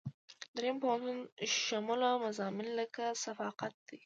دریم پوهنتون شموله مضامین لکه ثقافت دي.